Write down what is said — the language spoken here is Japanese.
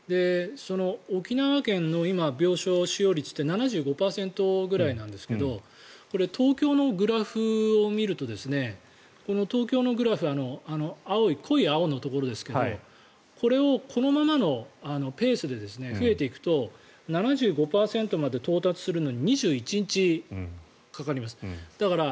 沖縄県の今、病床使用率って７５％ぐらいなんですが東京のグラフを見ると濃い青のところですがこれをこのままのペースで増えていくと７５％まで到達するのに２１日かかります。